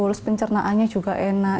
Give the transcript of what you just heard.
terus pencernaannya juga enak